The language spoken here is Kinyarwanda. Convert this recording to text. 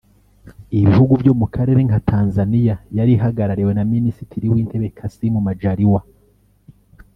Ibihugu byo mu karere nka Tanzania yari ihagarariwe na Minisitiri w’Intebe Kassim Majaliwa